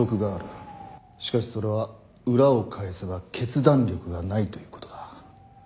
しかしそれは裏を返せば決断力がないということだ。